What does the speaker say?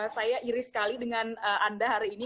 saya iris sekali dengan anda hari ini